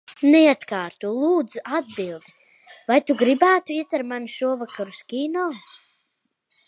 Neatkārto, lūdzu, atbildi. Vai tu gribētu iet ar mani šovakar uz kino?